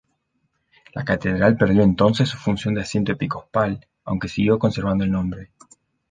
La catedral perdió entonces su función de asiento episcopal, aunque siguió conservando el nombre.